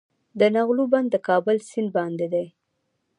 د نغلو بند د کابل سیند باندې دی